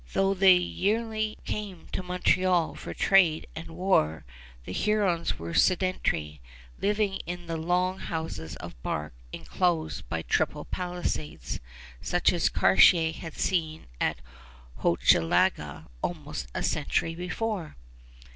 Though they yearly came to Montreal for trade and war, the Hurons were sedentary, living in the long houses of bark inclosed by triple palisades, such as Cartier had seen at Hochelaga almost a century before.